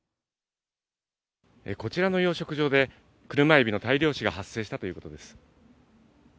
こちらの養殖場で、車エビの大量死が発生したということです。